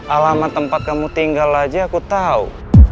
alamat tempat kamu tinggal aja aku tahu